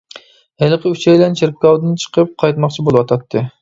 ھېلىقى ئۈچەيلەن چېركاۋدىن چىقىپ، قايتماقچى بولۇۋاتاتتى.